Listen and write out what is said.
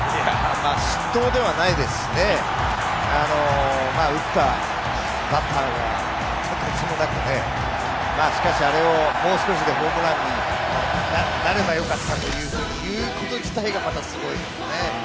失投ではないですし、打ったバッターがとてつもなく、しかし、あれをもう少しでホームランになればよかったと言うこと自体がまたすごいですね。